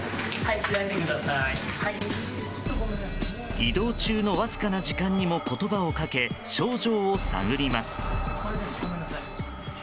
移動中のわずかな時間にも言葉をかけ症状を探ります。